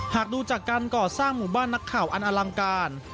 หากดูจากการก่อสร้างหมู่บ้านนักข่าวอันอลังการ